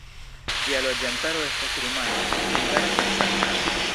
Ĝia loĝantaro estas rumana, hungara kaj saksa.